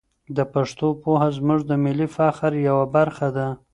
د پښتو پوهه زموږ د ملي فخر یوه برخه ده.